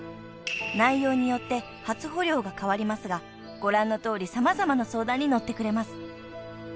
［内容によって初穂料が変わりますがご覧のとおり様々な相談に乗ってくれます］